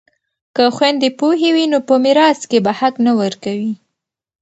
که خویندې پوهې وي نو په میراث کې به حق نه ورکوي.